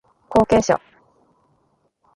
後継者